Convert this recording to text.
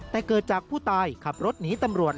แต่เกิดจากผู้ตายขับรถหนีตำรวจ